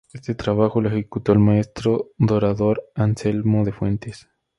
Este trabajo lo ejecutó el maestro dorador Anselmo de Fuentes.